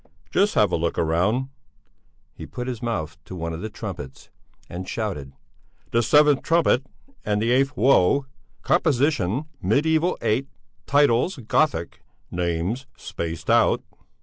"Just have a look round." He put his mouth to one of the trumpets and shouted: "The seventh trumpet and the eighth woe! Composition Mediæval 8, titles Gothic, names spaced out."